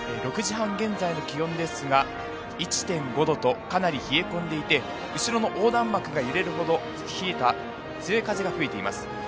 ６時半現在の気温ですが、１．５度とかなり冷え込んでいて、後ろの横断幕が揺れるほど冷えた強い風が吹いています。